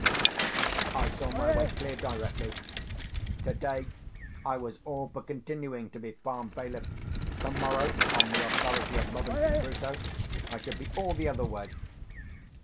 I saw my way clear directly. Today I was all for continuing to be farm bailiff; tomorrow, on the authority of Robinson Crusoe, I should be all the other way.